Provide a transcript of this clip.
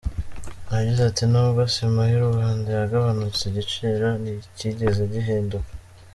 Yagize ati “Nubwo sima y’u Rwanda yagabanutse, igiciro nticyigeze gihinduka.